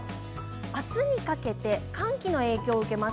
明日にかけて寒気の影響を受けます。